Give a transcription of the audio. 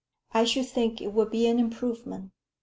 "I should think it would be an improvement.